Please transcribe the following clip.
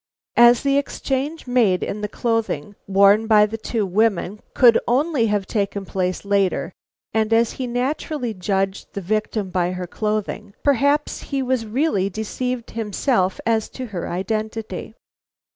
As the exchange made in the clothing worn by the two women could only have taken place later, and as he naturally judged the victim by her clothing, perhaps he was really deceived himself as to her identity.